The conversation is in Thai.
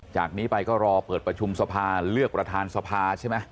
จากนี้ไปก็รอเปิดประชุมสภาเลือกประธานสภาใช่ไหม